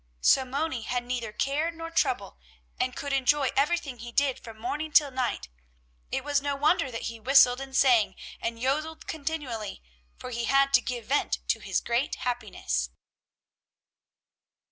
So Moni had neither care nor trouble and could enjoy everything he did from morning till night. It was no wonder that he whistled and sang and yodeled continually, for he had to give vent to his great happiness.